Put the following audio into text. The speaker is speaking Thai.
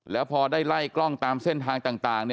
แล้วพอได้ไล่กล้องตามเส้นทางต่าง